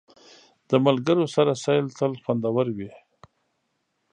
د ملګرو سره سیل تل خوندور وي.